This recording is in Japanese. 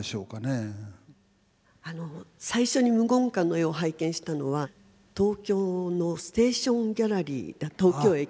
あの最初に無言館の絵を拝見したのは東京のステーションギャラリー東京駅の。